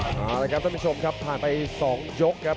ทุกคนค่ะผ่านไป๒ยกครับ